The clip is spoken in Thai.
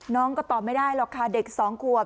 น้องก็ตอบไม่ได้หรอกค่ะเด็ก๒ขวบ